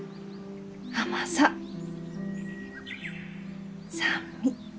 甘さ酸味。